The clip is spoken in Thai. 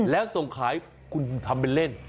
แล้วส่งขายคุณทำเป็นเล่น